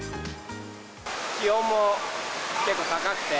気温も結構高くて。